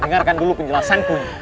dengarkan dulu penjelasanku